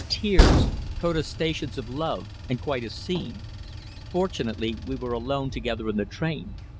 "Tears, protestations of love, and quite a scene. Fortunately we were alone together in the train.